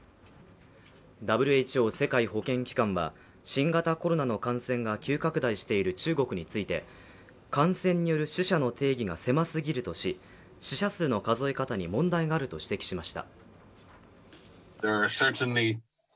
ＷＨＯ＝世界保健機関は新型コロナの感染が急拡大している中国について感染による死者の定義が狭すぎるとし死者数の数え方に問題があると指摘しました。